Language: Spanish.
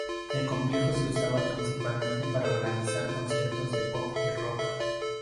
El complejo se usaba principalmente para organizar conciertos de pop y rock.